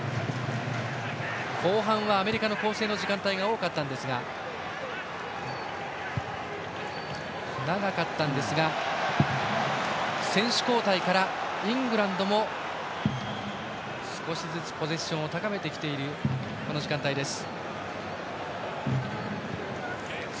後半はアメリカの攻勢の時間帯が長かったんですが選手交代からイングランドも少しずつポゼッションを高めてきているこの時間帯です。